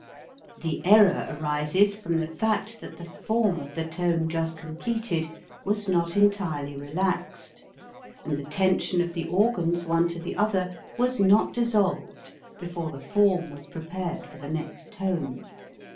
The error arises from the fact that the form of the tone just completed was not entirely relaxed, and the tension of the organs one to the other was not dissolved before the form was prepared for the next tone.